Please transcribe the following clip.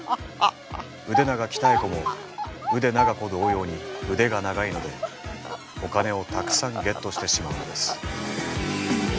腕長鍛子も腕長子同様に腕が長いのでお金をたくさんゲットしてしまうのです。